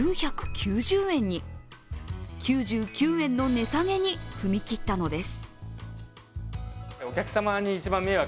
９９円の値下げに踏み切ったのです。